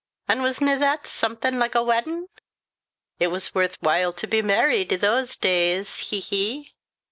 An' was nae that something like a waddin? It was worth while to be married i' thae days he, he!"